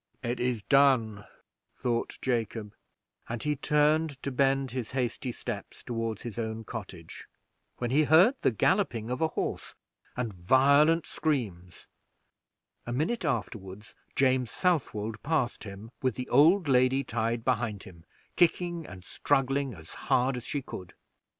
"It is done," thought Jacob; and he turned to bend his hasty steps toward his own cottage, when he heard the galloping of a horse and violent screams; a minute afterward James Southwold passed him with the old lady tied behind him, kicking and struggling as hard as she could.